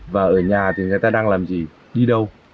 và ở nhà thì người ta đang làm gì đi đâu